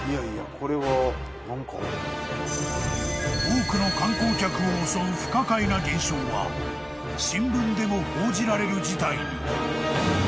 ［多くの観光客を襲う不可解な現象は新聞でも報じられる事態に］